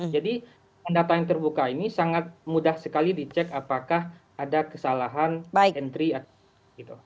jadi data yang terbuka ini sangat mudah sekali dicek apakah ada kesalahan entry atau gitu